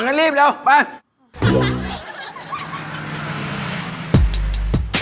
อ้ะงั้นรีบเร็วไป